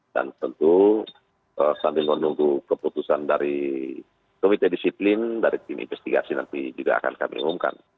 dan tentu sambil menunggu keputusan dari komite disiplin dari tim investigasi nanti juga akan kami umumkan